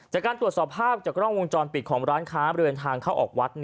จากการตรวจสอบภาพจากกล้องวงจรปิดของร้านค้าบริเวณทางเข้าออกวัด